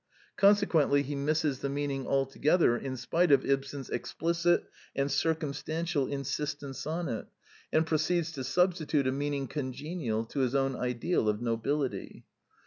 Conse quently he misses the meaning altogether in spite of Ibsen's explicit and circumstantial insistence on it, and proceeds to substitute a meaning congenial to his own ideal of nobility.